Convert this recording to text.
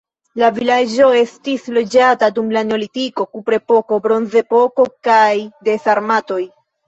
La vilaĝo estis loĝata dum la neolitiko, kuprepoko, bronzepoko kaj de sarmatoj.